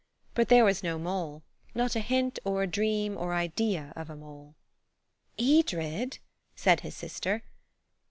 But there was no mole–not a hint or a dream or idea of a mole. "Edred," said his sister.